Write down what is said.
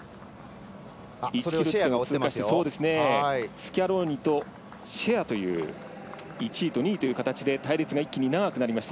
スキャローニとシェアという１位と２位という形で隊列が一気に長くなりました。